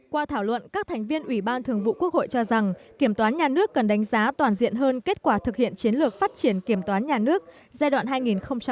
qua thảo luận các thành viên ủy ban thường vụ quốc hội cho rằng kiểm toán nhà nước cần đánh giá toàn diện hơn kết quả thực hiện chiến lược phát triển kiểm toán nhà nước giai đoạn hai nghìn một mươi sáu hai nghìn hai mươi